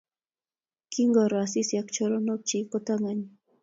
Kingoro Asisi ak choronokchi kotangany